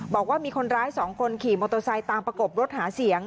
บอกว่ามีคนร้าย๒คนขี่มอเตอร์ไซค์ตามประกบรถหาเสียง